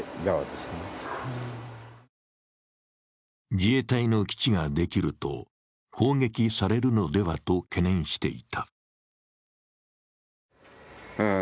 自衛隊の基地ができると攻撃されるのではと懸念していた。